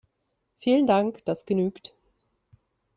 Vielen Dank, das genügt.